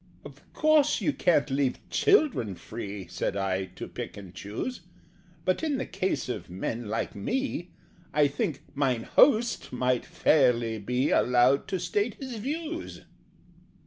"Of course you can't leave children free," Said I, "to pick and choose: But, in the case of men like me, I think 'Mine Host' might fairly be Allowed to state his views."